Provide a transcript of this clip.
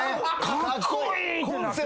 カッコイイ！ってなって。